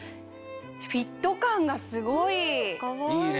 フィット感がすごい！いいね。